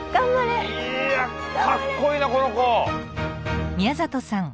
いやかっこいいなこの子！